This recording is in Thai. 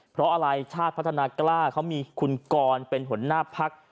เพราะอะไรชาติพัฒนากล้าเขามีคุณกรเป็นหัวหน้าพัก